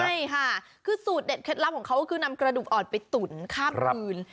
ใช่ค่ะคือสูตรเด็ดเคล็ดลับของเขาก็คือนำกระดูกอ่อนไปตุ๋นข้ามคืน